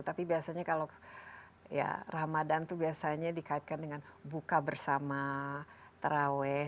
tapi biasanya kalau ya ramadan itu biasanya dikaitkan dengan buka bersama taraweh